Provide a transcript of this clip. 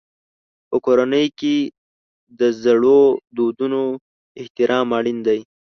په کورنۍ کې د زړو دودونو احترام اړین دی.